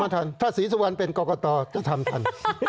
ถ้าสีสวรรค์เป็นกรกตรจะทำทัน